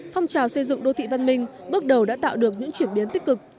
phong trào xây dựng đô thị văn minh bước đầu đã tạo được những chuyển biến tích cực